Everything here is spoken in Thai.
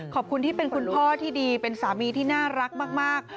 ขอบคุณที่เป็นคุณพ่อที่ดีเป็นสามีที่น่ารักมาก